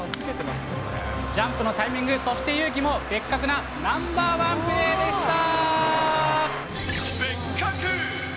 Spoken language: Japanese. ジャンプのタイミング、そして勇気も、ベッカクなナンバー１プレーでした。